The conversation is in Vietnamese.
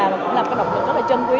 và cũng là một động lực rất là trân quý